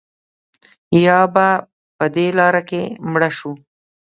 یا به په دې لاره کې مړه شو.